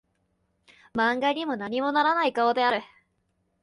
漫画にも何もならない顔である